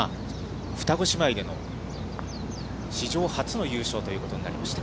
双子姉妹での史上初の優勝ということになりました。